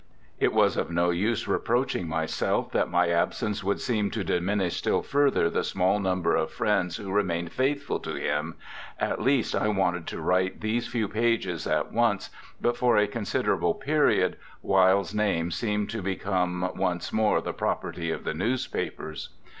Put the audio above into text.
It was of no use reproaching myself that my absence would seem to diminish still further the small number of friends who remained faithful to him at least I wanted to write these few pages at once, but for a considerable period Wilde's name seemed to become once more the property of the newspapers.